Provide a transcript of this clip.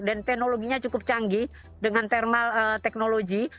dan teknologinya cukup canggih dengan thermal technology